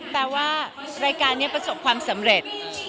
แปลว่ารายการนี้ประสบความสำเร็จ